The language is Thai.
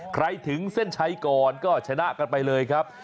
ถึงเส้นชัยก่อนก็ชนะกันไปเลยครับ